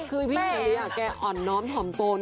คือพี่หญิงลีอ่ะแกอ่อนน้อมถอมโตน